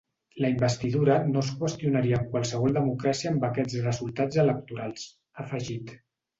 La investidura no es qüestionaria en qualsevol democràcia amb aquests resultats electorals, ha afegit.